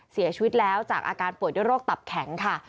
เสียชีวิตแล้วจากอาการป่วยด้วยโรคตับแข็งค่ะ